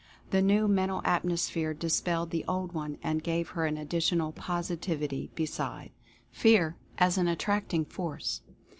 The new Mental Atmosphere dispelled the old one and gave her an ad ditional Positivity besides. FEAR AS AN ATTRACTING FORCE.